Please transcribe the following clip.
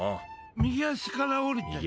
右足から下りて。